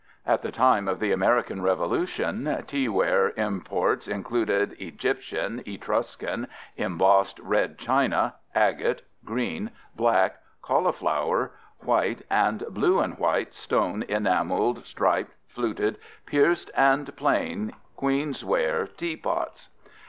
At the time of the American Revolution, teaware imports included "Egyptian, Etruscan, embossed red China, agate, green, black, colliflower, white, and blue and white stone enamelled, striped, fluted, pierced and plain Queen's ware tea pots."